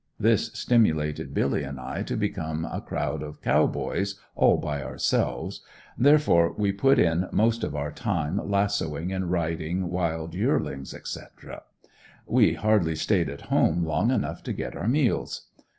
This stimulated Billy and I to become a crowd of Cow Boys all by ourselves, therefore we put in most of our time lassoing and riding wild yearlings, etc. We hardly stayed at home long enough to get our meals.